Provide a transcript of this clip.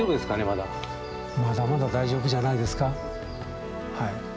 まだまだ大丈夫じゃないですか。